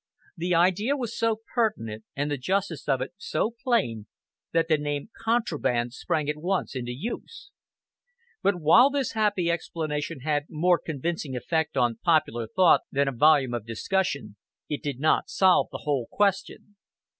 The idea was so pertinent, and the justice of it so plain that the name "contraband" sprang at once into use. But while this happy explanation had more convincing effect on popular thought than a volume of discussion, it did not solve the whole question.